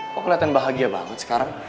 kok kelihatan bahagia banget sekarang